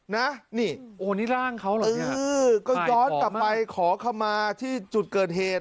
นะนี่โอ้นี่ร่างเขาเหรอก็ย้อนกลับไปขอคำมาที่จุดเกิดเหตุ